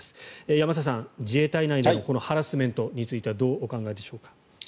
山下さん、自衛隊内でのハラスメントについてはどうお考えでしょうか。